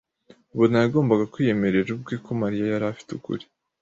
Bona yagombaga kwiyemerera ubwe ko Mariya yari afite ukuri.